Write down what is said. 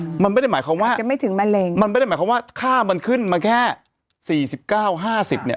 อืมมันไม่ได้หมายความว่าจะไม่ถึงมะเร็งมันไม่ได้หมายความว่าค่ามันขึ้นมาแค่สี่สิบเก้าห้าสิบเนี้ย